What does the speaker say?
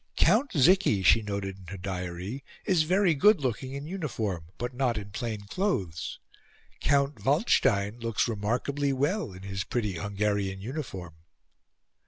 "Count Zichy," she noted in her diary, "is very good looking in uniform, but not in plain clothes. Count Waldstein looks remarkably well in his pretty Hungarian uniform."